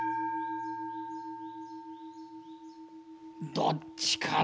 どっちかな？